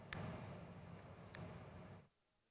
video yang beredar tentang pertemuan